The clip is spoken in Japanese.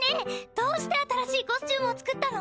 どうして新しいコスチュームを作ったの？